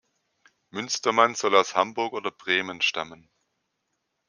Münstermann soll aus Hamburg oder Bremen stammen.